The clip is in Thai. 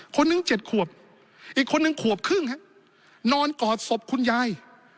คนหนึ่ง๗ขวบอีกคนนึงขวบครึ่งฮะนอนกอดศพคุณยาย